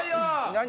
何？